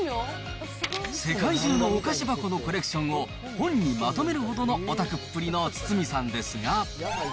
世界中のお菓子箱のコレクションを本にまとめるほどのオタクっぷりの堤さんですが。